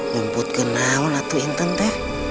nyemput genau latuh inton teh